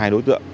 hai đối tượng